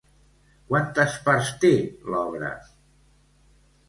Quantes parts té l'obra?